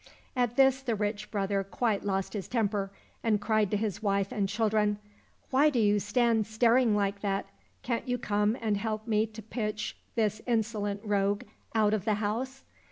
— At this the rich brother quite lost his temper, and cried to his wife and children, *' Why do you stand staring like that ? Can't you come and help me to pitch this insolent rogue out of the house